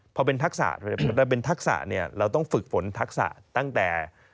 พอเป็นทักษะเราเป็นทักษะเนี่ยเราต้องฝึกฝนทักษะตั้งแต่